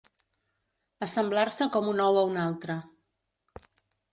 Assemblar-se com un ou a un altre.